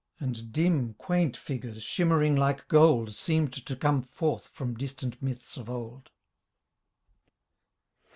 And dim, quaint figures shimmering like gold Seemed to come forth from distant myths of old.